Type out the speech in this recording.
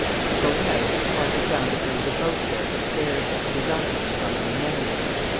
On going out, Arthur found that there was a boat there at the stairs, with his uncle and some other men in it.